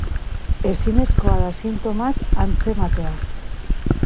Ezinezkoa da sintomak antzematea.